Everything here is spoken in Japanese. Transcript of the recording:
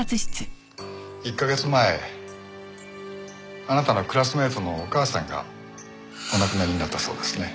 １カ月前あなたのクラスメートのお母さんがお亡くなりになったそうですね。